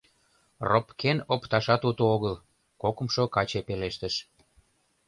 — Ропкен опташат уто огыл... — кокымшо каче пелештыш.